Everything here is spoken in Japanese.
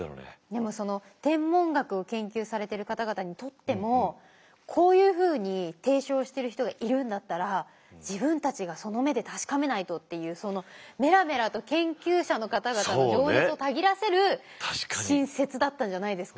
でもその天文学を研究されてる方々にとってもこういうふうに提唱してる人がいるんだったら自分たちがその目で確かめないとっていうメラメラと研究者の方々の情熱をたぎらせる新説だったんじゃないですか。